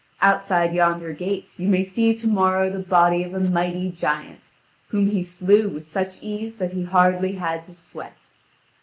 Outside yonder gate you may see to morrow the body of a mighty giant, whom he slew with such ease that he hardly had to sweat."